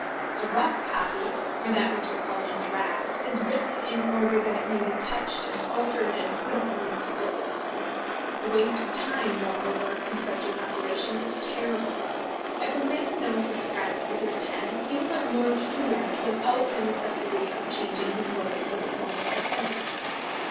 A rough copy, or that which is called a draft, is written in order that it may be touched and altered and put upon stilts. The waste of time, moreover, in such an operation, is terrible. If a man knows his craft with his pen, he will have learned to write without the necessity of changing his words or the form of his sentences.